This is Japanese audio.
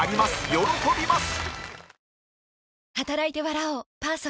喜びます！